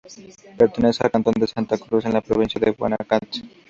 Pertenece al cantón de Santa Cruz, en la provincia de Guanacaste.